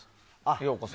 「ようこそ！